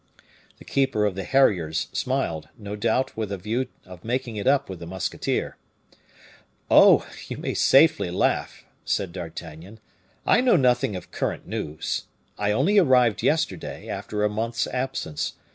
The keeper of the harriers smiled, no doubt with a view of making it up with the musketeer. "Oh! you may safely laugh," said D'Artagnan; "I know nothing of current news; I only arrived yesterday, after a month's absence.